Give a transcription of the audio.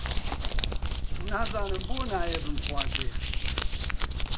نازانم بۆ نایە بمخوازێ؟